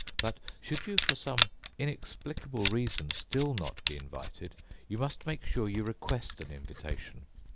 But should you for some inexplicable reason still not be invited, you must make sure you request an invitation.